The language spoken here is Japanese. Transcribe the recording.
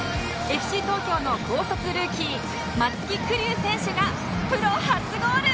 ＦＣ 東京の高卒ルーキー松木玖生選手がプロ初ゴール！